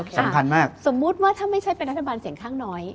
สำคัญมากสมมุติว่าถ้าไม่ใช่เป็นรัฐบาลเสียงข้างน้อย